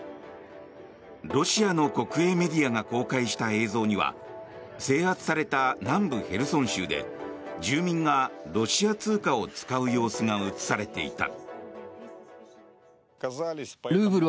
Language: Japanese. ロシアの国営メディアが公開した映像には制圧された南部ヘルソン州で住民がロシア通貨を使う様子が映されていた。